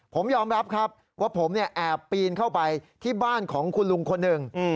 ผมยอมรับครับว่าผมแอบปีนเข้าไปที่บ้านของคุณลุงคนหนึ่ง